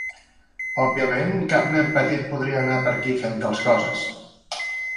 Òbviament cap nen petit podria anar per aquí fent tals coses.